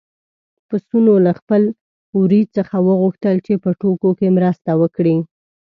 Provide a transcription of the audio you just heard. پسونو له خپل وري څخه وغوښتل چې په ټوکو کې مرسته وکړي.